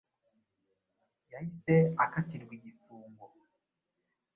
Yahise akatirwa igifungo